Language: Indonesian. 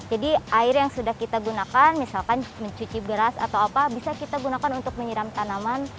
jadi air yang sudah kita gunakan misalkan mencuci beras atau apa bisa kita gunakan untuk menyiram tanaman